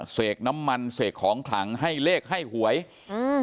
เสกน้ำมันเสกของขลังให้เลขให้หวยอืม